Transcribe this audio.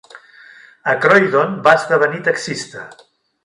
A Croydon va esdevenir taxista.